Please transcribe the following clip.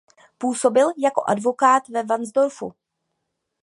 Působil jako advokát ve Varnsdorfu.